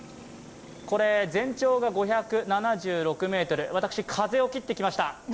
これ、全長が５７６ｍ、私、風を切ってきました。